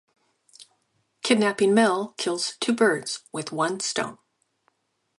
Kidnapping Mel kills two birds with one stone.